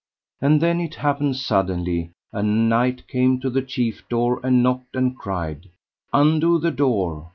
And then it happed suddenly a knight came to the chief door and knocked, and cried: Undo the door.